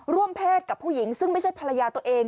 ร่วมเพศกับผู้หญิงซึ่งไม่ใช่ภรรยาตัวเอง